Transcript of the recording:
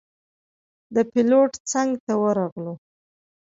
د پېلوټ څنګ ته ورغلو.